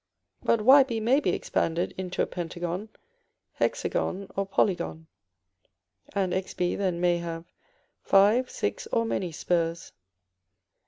But Yb may be expanded into a pentagon, hexagon, or polygon; and Xb then may have five, six, or many spurs.